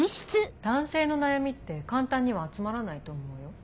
男性の悩みって簡単には集まらないと思うよ。